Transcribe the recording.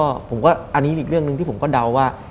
อันนี้อีกเรื่องหนึ่งที่ผมก็เดาว่า